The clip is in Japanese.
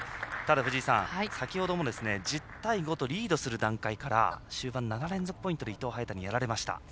藤井さん、先ほども１０対５とリードする段階から終盤、７連続ポイントで伊藤、早田にやられました。